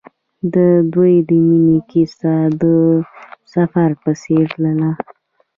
د دوی د مینې کیسه د سفر په څېر تلله.